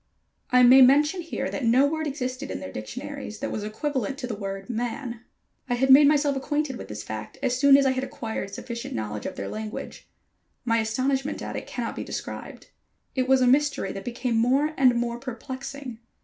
I may mention here that no word existed in their dictionaries that was equivalent to the word "man." I had made myself acquainted with this fact as soon as I had acquired sufficient knowledge of their language. My astonishment at it cannot be described. It was a mystery that became more and more perplexing.